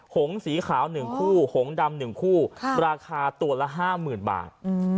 หงสีขาวหนึ่งคู่หงดำหนึ่งคู่ค่ะราคาตัวละห้าหมื่นบาทอืม